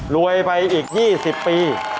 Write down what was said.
รวยไปอีก๒๐ปี